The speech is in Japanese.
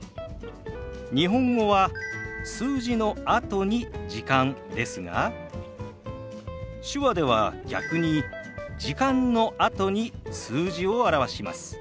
日本語は数字のあとに「時間」ですが手話では逆に「時間」のあとに数字を表します。